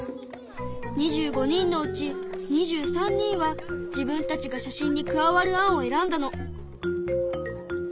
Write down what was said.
２５人のうち２３人は自分たちが写真に加わる案を選んだの。